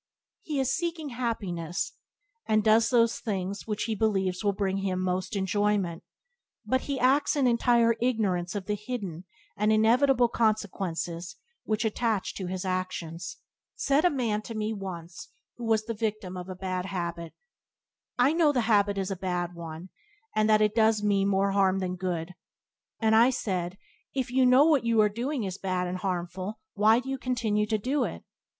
He is seeking happiness, and does those things which he believes will bring him most enjoyment, but he acts in entire ignorance of the hidden and inevitable consequences which attach to his actions. Byways to Blessedness by James Allen 41 Said a man to me once who was the victim of a bad habit: "I know the habit is a bad one, and that it does me more harm than good" I said: " If you know that what you are doing is bad and harmful why do you continue to do it?"